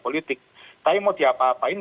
politik tapi mau diapa apain